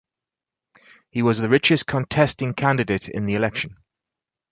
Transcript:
He was the richest contesting candidate in the election.